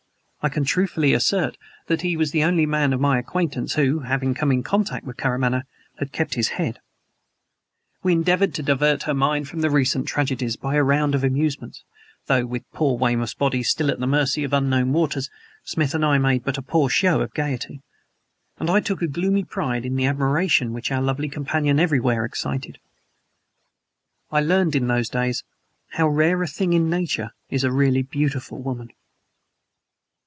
I can truthfully assert that he was the only man of my acquaintance who, having come in contact with Karamaneh, had kept his head. We endeavored to divert her mind from the recent tragedies by a round of amusements, though with poor Weymouth's body still at the mercy of unknown waters Smith and I made but a poor show of gayety; and I took a gloomy pride in the admiration which our lovely companion everywhere excited. I learned, in those days, how rare a thing in nature is a really beautiful woman.